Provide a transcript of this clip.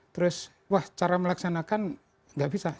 terus wah cara melaksanakan nggak bisa